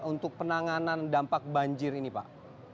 untuk penanganan dampak banjir ini pak